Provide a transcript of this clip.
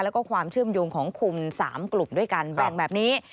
แล้วก็ความเชื่อมโยงของคุม๓กลุ่มด้วยกันแบ่งแบบนี้